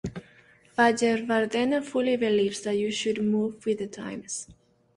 Wijewardena fully believes that you should move with the times.